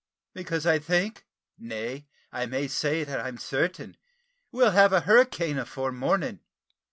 "Because I think, nay, I may say that I'm sartin, we'll have a hurricane afore morning.